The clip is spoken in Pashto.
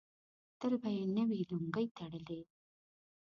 تل به یې نوې لونګۍ تړلې.